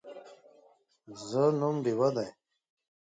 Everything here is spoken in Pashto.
زه نوم ډیوه دی